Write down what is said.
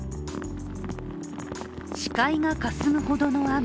視界がかすむほどの雨。